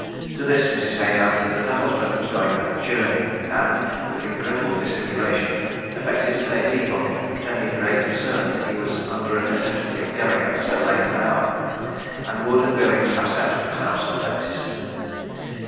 To this Mrs. Hayes answered that her husband was going a journey; and, with incredible dissimulation, affected to take leave of him, pretending great concern that he was under a necessity of going at so late an hour, and Wood and Billings passed out of the house unnoticed.